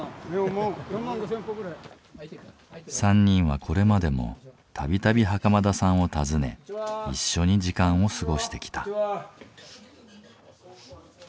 ３人はこれまでも度々袴田さんを訪ね一緒に時間を過ごしてきた。